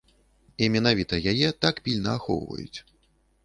І менавіта яе так пільна ахоўваюць.